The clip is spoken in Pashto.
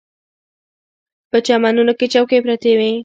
په چمنونو کې چوکۍ پرتې وې.